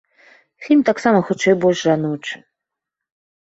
Фільм таксама хутчэй больш жаночы.